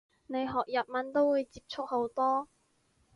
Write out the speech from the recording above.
你學日文都會接觸好多